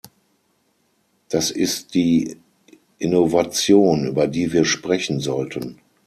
Das ist die Innovation, über die wir sprechen sollten.